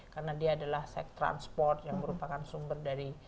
karena dia adalah sektor transport yang merupakan sumber dari